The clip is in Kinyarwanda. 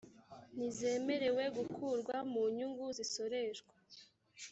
ntizemerewe gukurwa mu nyungu zisoreshwa